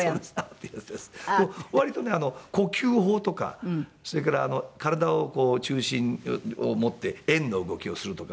割とね呼吸法とかそれから体を中心をもって円の動きをするとか。